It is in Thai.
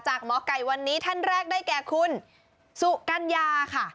หมอไก่วันนี้ท่านแรกได้แก่คุณสุกัญญาค่ะ